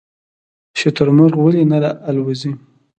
شترمرغ ولې نه الوځي؟